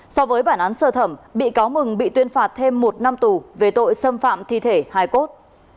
so với bản án sơ thẩm bị cáo mừng bị tuyên phạt thêm một năm tù về tội xâm phạm thi thể hai cốt